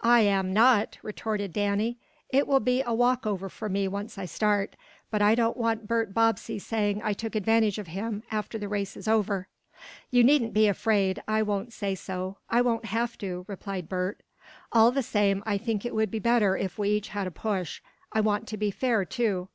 "I am not!" retorted Danny. "It will be a walkover for me once I start. But I don't want Bert Bobbsey saying I took advantage of him, after the race is over." "You needn't be afraid I won't say so I won't have to," replied Bert. "All the same I think it would be better if we each had a push. I want to be fair, too."